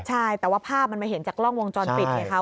ใช่แต่ว่าภาพมันมาเห็นจากกล้องวงจรปิดไงคะ